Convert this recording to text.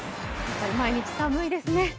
毎日、寒いですね。